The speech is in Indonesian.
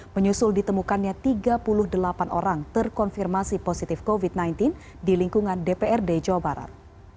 menyusul ditemukannya tiga puluh delapan orang terkonfirmasi positif covid sembilan belas di lingkungan dprd jawa barat